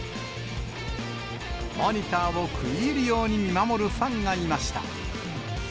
モニターを食い入るように見守るファンがいました。